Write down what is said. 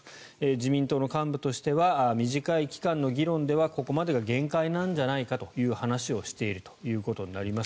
自民党の幹部としては短い期間の議論ではここまでが限界なんじゃないかという話をしているということです。